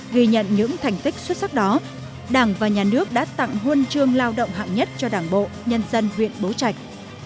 ghi nhận những thành tích xuất sắc đó đảng và nhà nước đã tặng huân chương lao động hạng nhất cho đảng bộ nhân dân huyện bố trạch